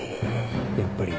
やっぱりな。